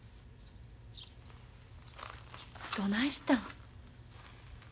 どないしたん？